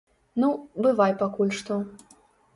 Ну, бывай пакуль што.